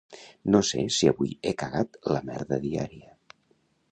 No sé si avui he cagat la merda diària.